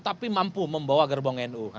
tapi mampu membawa gerbong nu